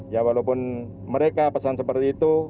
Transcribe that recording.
ya walaupun mereka pesan seperti itu